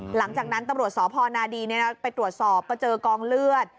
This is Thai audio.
หลังจากนั้นตรวจสอบพรณาดีนี่นะไปตรวจสอบก็เจอกองเลือด